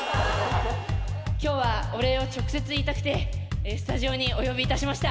今日はお礼を直接言いたくてスタジオにお呼びいたしました。